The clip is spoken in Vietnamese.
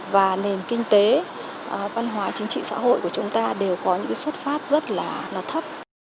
và nền kinh tế văn hóa chính trị xã hội của chúng ta đều có những xuất phát rất là thấp